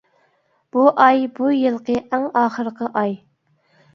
بۇ ئاي بۇ يىلقى ئەڭ ئاخىرقى ئاي.